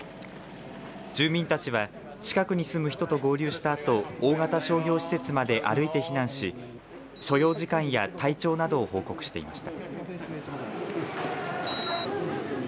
住民たちは近くに住む人と合流したあと大型商業施設まで歩いて避難し所要時間や体調などを報告していました。